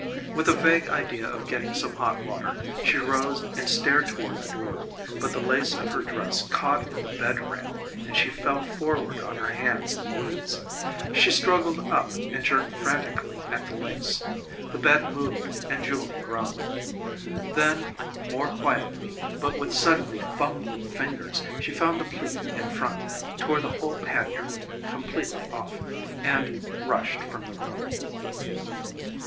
With a vague idea of getting some hot water, she rose and stared toward the door, but the lace of her dress caught in the bed rail and she fell forward on her hands and knees. She struggled up and jerked frantically at the lace. The bed moved and Julie groaned. Then more quietly but with suddenly fumbling fingers she found the pleat in front, tore the whole pannier completely off, and rushed from the room.